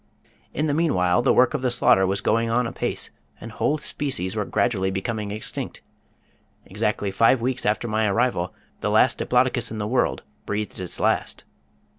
In the meanwhile the work of slaughter was going on apace, and whole species were gradually becoming extinct. Exactly five weeks after my arrival the last Diplodocus in the world breathed its last.